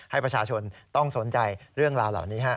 ให้ประชาชนต้องสนใจเรื่องราวเหล่านี้